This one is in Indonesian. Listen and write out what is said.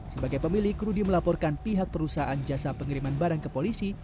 sebagai pemilik rudy melaporkan pihak perusahaan jasa pengiriman barang ke polisi